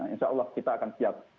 insya allah kita akan siap